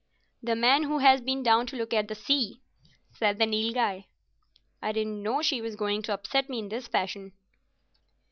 "The man who has been down to look at the sea," said the Nilghai. "I didn't know she was going to upset me in this fashion."